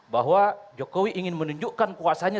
bahwa jokowi ingin menunjukkan kuasanya